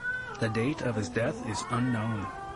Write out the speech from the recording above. The date of his death is unknown.